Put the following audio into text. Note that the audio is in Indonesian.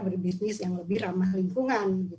berbisnis yang lebih ramah lingkungan